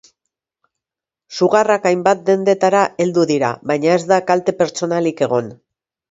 Sugarrak hainbat dendetara heldu dira, baina ez da kalte pertsonalik egon.